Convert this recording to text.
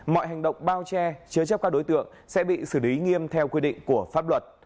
mọi hành động bao che chứa chấp các đối tượng sẽ bị xử lý nghiêm theo quy định của pháp luật